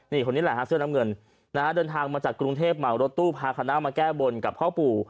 นี่คนนี้แหละฮะเสื้อน้ำเงินนะฮะเดินทางมาจากกรุงเทพเหมารถตู้พาคณะมาแก้บนกับพ่อปู่